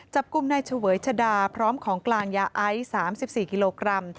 จับกลุ่มนายเฉวยชดาพร้อมของกลางยาไอซ์๓๔กิโลกรัม